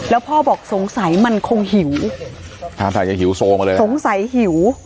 แล้วพ่อบอกสงสัยมันคงหิวท่าทางจะหิวโซมาเลยสงสัยหิว